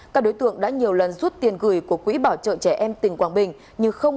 các đối tượng đã nhiều lần rút tiền gửi của quỹ bảo trợ trẻ em tỉnh quảng bình